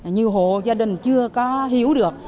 nhiều hộ gia đình chưa có hiểu được